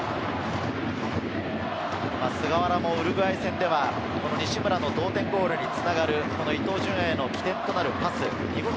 菅原もウルグアイ戦では西村の同点ゴールにつながる伊東純也への起点となるパス。